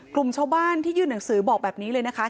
กลุ่มชาวบ้านที่ยื่นหนังสือบอกแบบนี้เลยนะคะ